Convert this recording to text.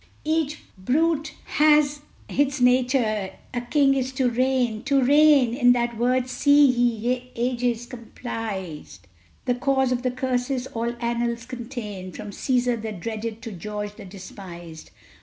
Each brute hath its nature; a king's is to reign, To reign! in that word see, ye ages, comprised The cause of the curses all annals contain, From Cæsar the dreaded to George the despised!